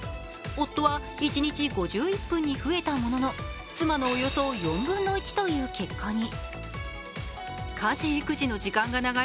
夫は一日５１分に増えたものの妻のおよそ４分の１という結果に。